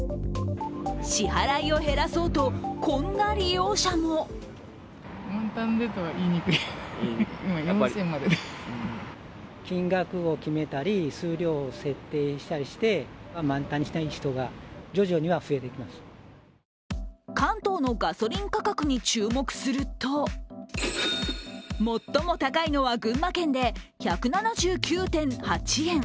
支払いを減らそうとこんな利用者も関東のガソリン価格に注目すると最も高いのは群馬県で、１７９．８円。